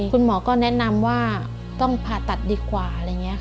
คุณหมอก็แนะนำว่าต้องผ่าตัดดีกว่าอะไรอย่างนี้ค่ะ